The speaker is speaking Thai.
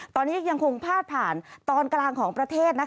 ตอนนี้ยังคงพาดผ่านตอนกลางของประเทศ